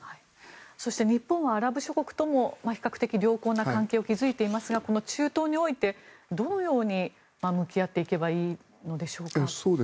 そして日本はアラブ諸国とも比較的良好な関係を築いていますがこの中東においてどのように向き合っていけばいいでしょうか。